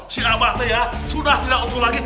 si abah tuh ya sudah tidak utuh lagi